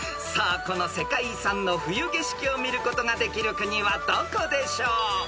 ［さあこの世界遺産の冬景色を見ることができる国はどこでしょう？］